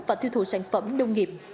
và thiêu thụ sản phẩm đông nghiệp